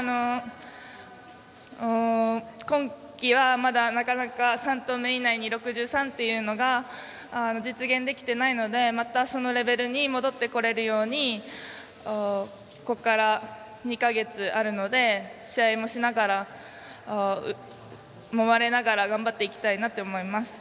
今季はまだなかなか３投目以内に６３ｍというのが実現できていないのでまたそのレベルに戻ってこれるようにここから２か月あるので試合もしながら、もまれながら頑張っていきたいなと思います。